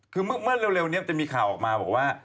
คือเร็วเนี่ยมันจะมีข่าวออกมาว่า